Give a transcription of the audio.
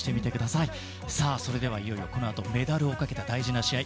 さあ、それではいよいよこのあとメダルをかけた大事な試合。